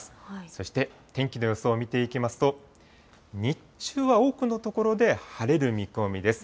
そして天気の予想を見ていきますと、日中は多くの所で晴れる見込みです。